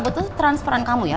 saya gak butuh transferan kamu ya